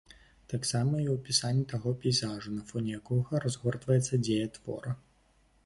Таксама і ў апісанні таго пейзажу, на фоне якога разгортваецца дзея твора.